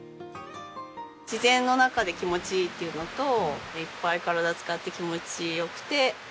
自然の中で気持ちいいっていうのといっぱい体使って気持ち良くて。